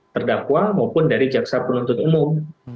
terdakwa maupun dari jaksa penuntut umum